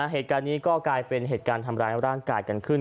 เหตุการณ์นี้ก็กลายเป็นเหตุการณ์ทำร้ายร่างกายกันขึ้น